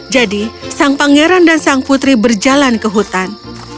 jadi sang pangeran dan sang putri berjalan ke hutan